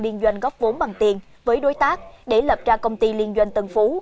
liên doanh góp vốn bằng tiền với đối tác để lập ra công ty liên doanh tân phú